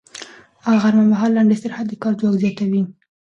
غرمه مهال لنډ استراحت د کار ځواک زیاتوي